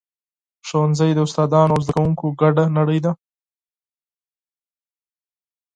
ښوونځی د استادانو او زده کوونکو ګډه نړۍ ده.